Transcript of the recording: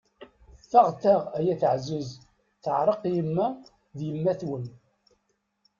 Ffɣet-aɣ ay At ɛziz, teɛṛeq yemma d yemmat-wen!